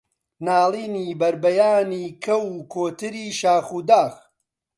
ناڵینی بەربەیانی کەو و کۆتری شاخ و داخ